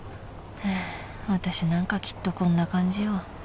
私なんかきっとこんな感じよ